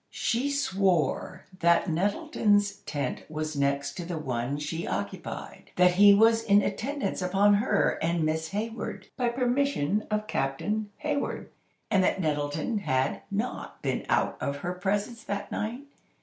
She swore that Nettleton's tent was next to the one she occupied—that he was in attendance upon her and Miss Hayward, by permission of Captain Hayward, and that Nettleton had not been out of her presence that night.